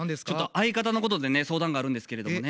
相方のことでね相談があるんですけれどもね。